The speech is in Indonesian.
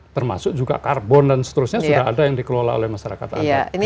termasuk juga karbon dan seterusnya sudah ada yang dikelola oleh masyarakat adat